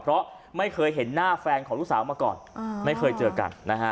เพราะไม่เคยเห็นหน้าแฟนของลูกสาวมาก่อนไม่เคยเจอกันนะฮะ